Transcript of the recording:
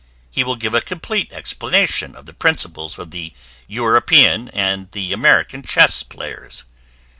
He will give a COMPLETE explanation by illustrations of the PRINCIPLES of the EUROPEAN and the AMERICAN CHESS PLAYERS.